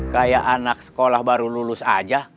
kayak anak sekolah baru lulus aja